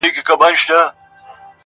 چي زه به څرنگه و غېږ ته د جانان ورځمه.